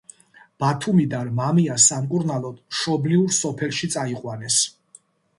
ბათუმიდან მამია სამკურნალოდ მშობლიურ სოფელში წაიყვანეს.